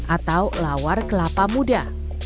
atau lawar kelapa muda